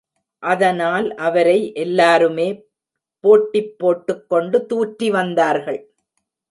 அதனால், அவரை எல்லாருமே போட்டிப் போட்டுக் கொண்டு தூற்றி வந்தார்கள்!